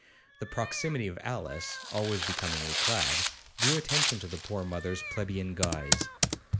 The proximity of Alice, always becomingly clad, drew attention to the poor mother's plebeian guise.